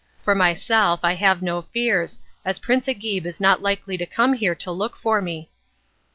For myself, I have no fears, as Prince Agib is not likely to come here to look for me."